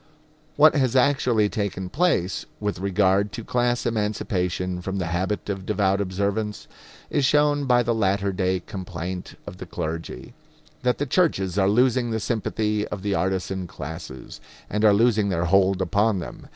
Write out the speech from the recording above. What has actually taken place with regard to class emancipation from the habit of devout observance is shown by the latter day complaint of the clergy that the churches are losing the sympathy of the artisan classes, and are losing their hold upon them.